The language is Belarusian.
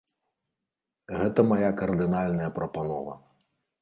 Гэта мая кардынальная прапанова.